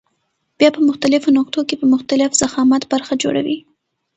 بیا په مختلفو نقطو کې په مختلف ضخامت برخه جوړوي.